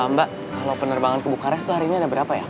mbak kalau penerbangan ke bukares tuh hari ini ada berapa ya